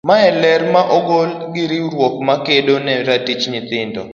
Mae ler ma ogol gi riwruok ma kedo ne ratich nyithindo.